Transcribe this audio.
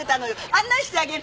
案内してあげる。